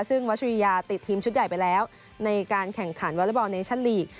ซึ่งวัชริยาติดทีมชุดใหญ่ไปแล้วในการแข่งขันวอเล็กบอลเนชั่นลีก